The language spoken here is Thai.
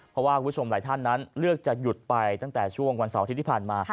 เพราะว่าคุณผู้ชมหลายท่านนั้นเลือกจะหยุดไปตั้งแต่ช่วงวันเสาร์อาทิตย์ที่ผ่านมา